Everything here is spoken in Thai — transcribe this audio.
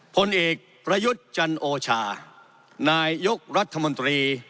ผลเอกประยุทธ์จันโอชานายกรัฐมนตรี